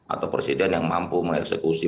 atau presiden yang mampu mengeksekusi